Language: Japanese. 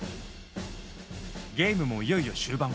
ゲームもいよいよ終盤。